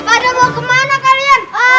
pak de mau kemana kalian